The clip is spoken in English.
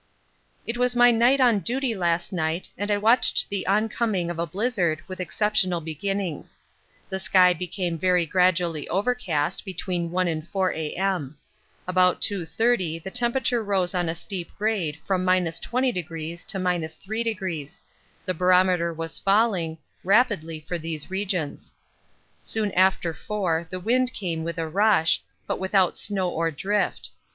It was my night on duty last night and I watched the oncoming of a blizzard with exceptional beginnings. The sky became very gradually overcast between 1 and 4 A.M. About 2.30 the temperature rose on a steep grade from 20° to 3°; the barometer was falling, rapidly for these regions. Soon after 4 the wind came with a rush, but without snow or drift.